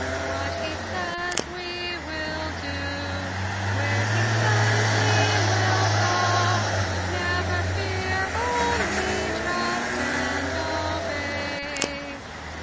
What He says we will do, where He sends we will go; Never fear, only trust and obey.